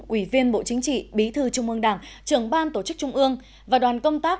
ủy viên bộ chính trị bí thư trung ương đảng trưởng ban tổ chức trung ương và đoàn công tác